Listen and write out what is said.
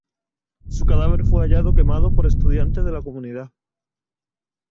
Su cadáver fue hallado quemado por estudiantes de la comunidad.